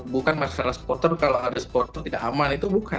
bukan masalah supporter kalau ada supporter tidak aman itu bukan